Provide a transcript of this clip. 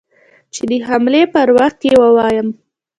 چې د حملې پر وخت يې ووايم.